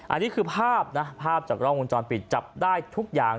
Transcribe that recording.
อันนี้คือภาพนะภาพจากกล้องวงจรปิดจับได้ทุกอย่าง